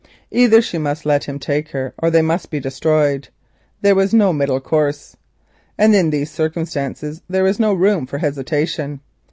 Either she must let him take her or they must be destroyed; there was no middle course. And in these circumstances there was no room for hesitation.